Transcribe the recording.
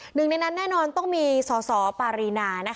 หนึ่งในนั้นแน่นอนต้องมีสอสอปารีนา